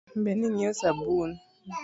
Be ne ing'iewo sabun ?